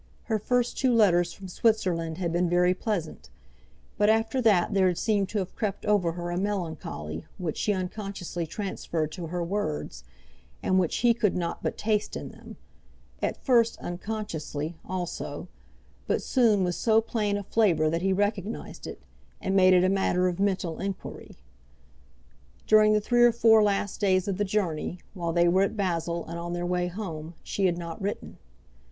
Her first two letters from Switzerland had been very pleasant; but after that there had seemed to have crept over her a melancholy which she unconsciously transferred to her words, and which he could not but taste in them, at first unconsciously, also, but soon with so plain a flavour that he recognised it, and made it a matter of mental inquiry. During the three or four last days of the journey, while they were at Basle and on their way home, she had not written.